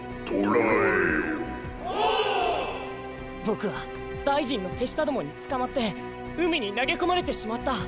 ボクは大臣のてしたどもにつかまってうみになげこまれてしまった。